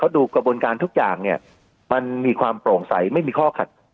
แล้วก็ดูกระบวนการทุกอย่างเนี่ยมันมีความโปร่งใสไม่มีข้อขัดคล่องขัดแย้ง